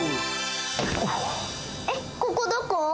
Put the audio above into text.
えっここどこ？